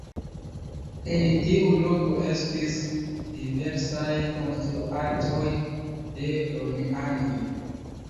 En tiu loko estis diversaj konstruaĵoj de romianoj.